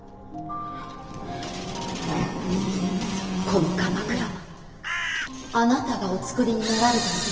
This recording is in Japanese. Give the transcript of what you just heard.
この鎌倉はあなたがおつくりになられたのです。